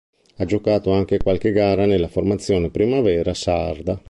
Ha giocato anche qualche gara nella formazione primavera sarda.